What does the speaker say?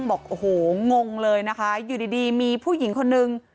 บอกโอ้โหงงเลยนะคะอยู่ดีมีผู้หญิงคนนึง